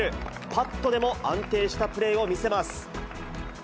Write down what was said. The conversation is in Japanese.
パットでも安定したプレーを見せます。